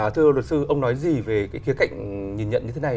thưa luật sư ông nói gì về cái kế cạnh nhìn nhận như thế này